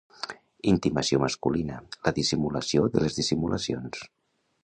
Intimació masculina: la dissimulació de les dissimulacions.